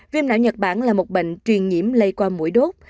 viêm não nhật bản là một bệnh truyền nhiễm lây qua mũi đốt